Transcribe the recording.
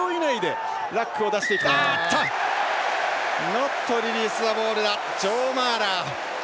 ノットリリースザボールジョー・マーラー。